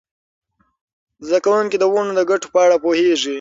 زده کوونکي د ونو د ګټو په اړه پوهیږي.